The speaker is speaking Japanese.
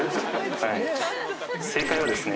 正解はですね